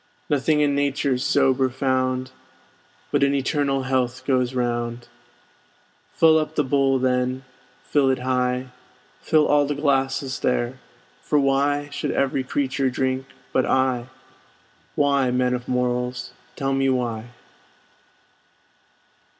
Nothing in nature's sober found, But an eternal health goes round. Fill up the bowl then, fill it high, Fill all the glasses there; for why Should every creature drink but I? Why, man of morals, tell me why?